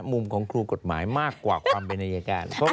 มุมของครูกฎหมายมากกว่าความเป็นอายการ